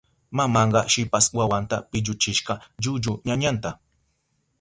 Mamanka shipas wawanta pilluchishka llullu ñañanta.